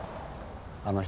あの人